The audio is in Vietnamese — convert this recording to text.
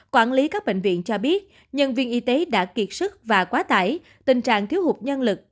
quản lý các bệnh viện cho biết nhân viên y tế đã kiệt sức và quá tải tình trạng thiếu hụt nhân lực